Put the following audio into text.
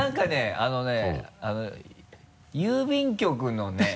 あのね郵便局のね